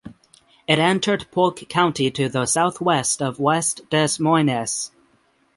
It entered Polk County to the southwest of West Des Moines.